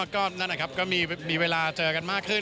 ก็นั่นแหละครับก็มีเวลาเจอกันมากขึ้น